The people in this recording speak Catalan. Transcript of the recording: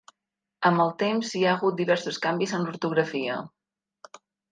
Amb el temps, hi ha hagut diversos canvis en l'ortografia.